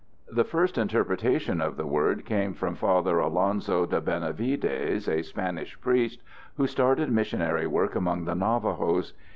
The first interpretation of the word came from Father Alonso de Benavides, a Spanish priest who started missionary work among the Navajos.